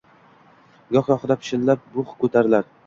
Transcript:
Goh-gohida pishillab bugʻ koʻtarilar